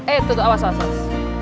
eh itu tuh awas awas awas